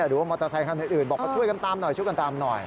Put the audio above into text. หรือว่ามอเตอร์ไซค์ข้างด้านอื่นบอกเขาช่วยกันตามหน่อย